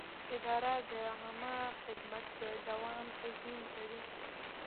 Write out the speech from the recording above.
اداره د عامه خدمت د دوام تضمین کوي.